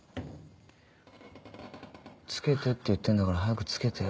「付けてって言ってんだから早く付けてよ。